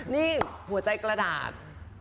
นี่หัวใจกระดาษ